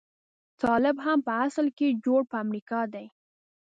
طالب هم په اصل کې جوړ په امريکا دی.